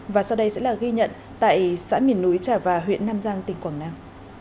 và sau đây sẽ là ghi nhận tại xã miền núi trà và huyện nam giang tỉnh quảng nam